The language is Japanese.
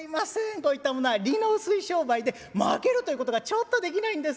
こういったものは利の薄い商売でまけるということがちょっとできないんです。